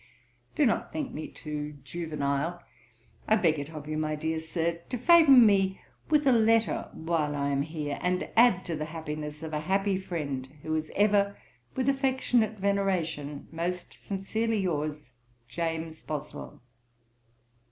Do not think me too juvenile. I beg it of you, my dear Sir, to favour me with a letter while I am here, and add to the happiness of a happy friend, who is ever, with affectionate veneration, 'Most sincerely yours, 'James Boswell.'